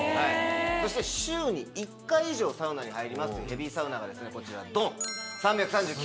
そして週に１回以上サウナに入りますというヘビーサウナーがこちらドン。